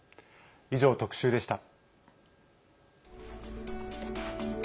以上、特集でした。